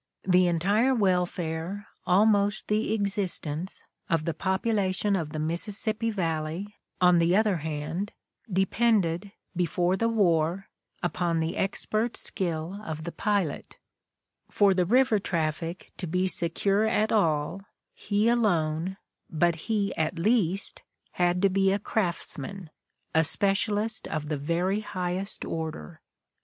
The entire welfare, almost the existence, of the population of the Mississippi valley, on the other hand, depended, before the war, upon the expert skill of the pilot; for the, river traffic to be secure at all, he alone, but he at least, had to be a craftsman, a specialist of the very highest order.